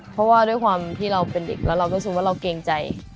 เพราะว่าด้วยความที่เราเป็นเด็กแล้วเรารู้สึกว่าเราเกรงใจ